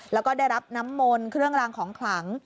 แล้วก็ได้รับน้ำมนต์เครื่องรางของขลัง